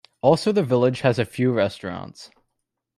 Also the village has a few restaurants.